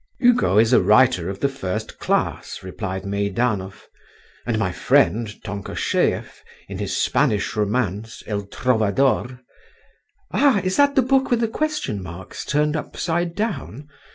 "Hugo is a writer of the first class," replied Meidanov; "and my friend, Tonkosheev, in his Spanish romance, El Trovador …" "Ah! is that the book with the question marks turned upside down?"